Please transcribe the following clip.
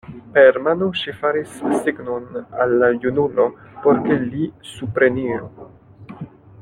Per mano ŝi faris signon al la junulo, por ke li supreniru.